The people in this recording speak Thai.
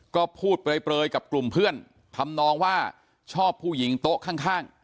ก็พูดเปลยกับกลุ่มเพื่อนทำนองว่าชอบผู้หญิงโต๊ะข้าง